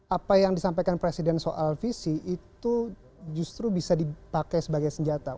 apa yang disampaikan presiden soal visi itu justru bisa dipakai sebagai senjata